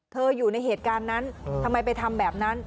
อยู่ในเหตุการณ์นั้นทำไมไปทำแบบนั้น